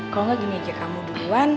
kalau gak gini aja kamu duluan